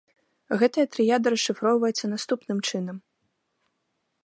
Гэтая трыяда расшыфроўваецца наступным чынам.